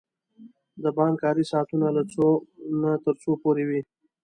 د بانک کاری ساعتونه له څو نه تر څو پوری وی؟